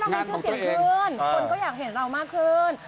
ให้ชื่อเสียงขึ้นคนก็อยากเห็นเรามากขึ้น